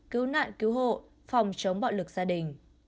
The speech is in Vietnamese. cứu nạn cứu hộ phòng chống bạo lực gia đình